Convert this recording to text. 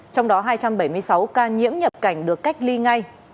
trong đó hai trăm bảy mươi sáu ca nhiễm nhập cảnh được cách ly ngay